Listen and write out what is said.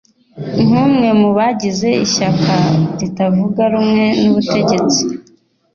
nk'umwe mu bagize ishyaka ritavuga rumwe n'ubutegetsi,